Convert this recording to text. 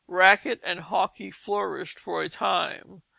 Racquet and hockey flourished for a time.